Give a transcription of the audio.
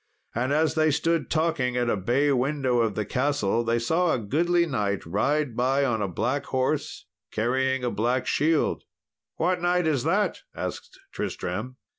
And, as they stood talking at a bay window of the castle, they saw a goodly knight ride by on a black horse, and carrying a black shield. "What knight is that?" asked Tristram.